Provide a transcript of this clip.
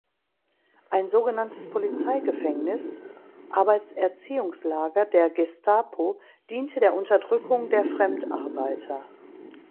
Ein sogenanntes Polizeigefängnis (Arbeitserziehungslager) der Gestapo diente der Unterdrückung der „Fremdarbeiter“.